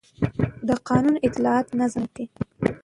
د قانون اطاعت نظم ساتي